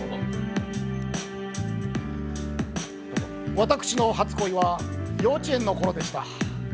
私の初恋は幼稚園の頃でした。